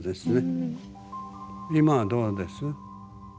今はどうです？